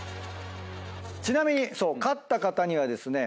ちなみに勝った方にはですね